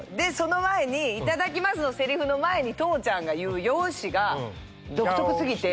で「いただきます」のせりふの前に父ちゃんが言う「よーし」が独特過ぎて。